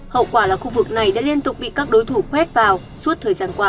hậu quả là khu vực này đã liên tục bị các đối thủ quét vào suốt thời gian qua